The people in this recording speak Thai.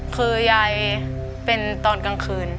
คือยายเป็นตอนกลางคืน